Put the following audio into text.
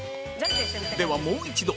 ではもう一度